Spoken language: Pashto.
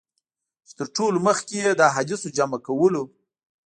چي تر ټولو مخکي یې د احادیثو جمع کولو.